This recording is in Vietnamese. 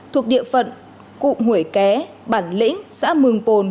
thuộc địa phận cụm hủy ké bản lĩnh xã mường pồn